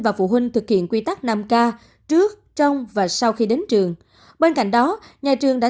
và phụ huynh thực hiện quy tắc năm k trước trong và sau khi đến trường bên cạnh đó nhà trường đã